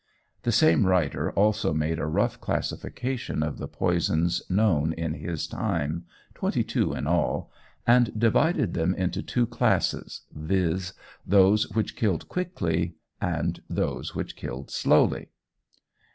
The same writer also made a rough classification of the poisons known in his time, twenty two in all, and divided them into two classes viz., "those which killed quickly," and "those which killed slowly."